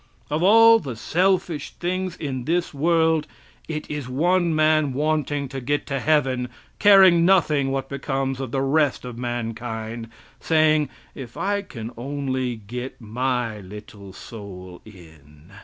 Of all the selfish things in this world, it is one man wanting to get to heaven, caring nothing what becomes of the rest of mankind, saying: "If I can only get my little soul in!"